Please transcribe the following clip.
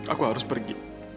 aku harus pergi